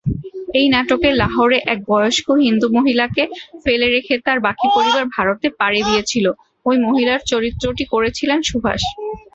এই নাটকে লাহোরে এক বয়স্ক হিন্দু মহিলাকে ফেলে রেখে তার বাকি পরিবার ভারতে পাড়ি দিয়েছিল, এই মহিলার চরিত্রটি করেছিলেন সুভাষ।